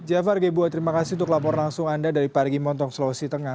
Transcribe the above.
jafar gebuah terima kasih untuk laporan langsung anda dari parigi montong sulawesi tengah